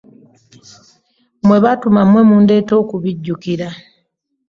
Mmwe b'atuma mmwe mundeeta okubijjukira.